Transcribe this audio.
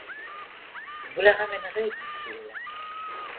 Vous la ramènerez, dit-il.